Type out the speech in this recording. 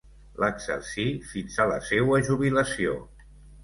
L'exercí fins a la seua jubilació.